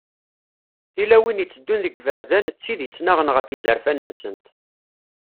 Tilawin iteddun deg yiberdan, d tid ittennaɣen ɣef yizerfan-nsent.